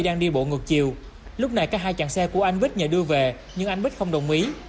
đang đi bộ ngược chiều lúc này các hai chặng xe của anh bích nhờ đưa về nhưng anh bích không đồng ý